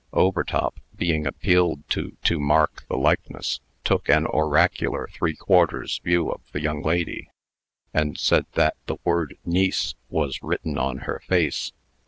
Overtop, being appealed to to mark the likeness, took an oracular three quarters view of the young lady, and said that the word "niece" was written on her face.